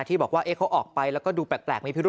ที่บอกว่าเขาออกไปแล้วก็ดูแปลกมีพิรุธ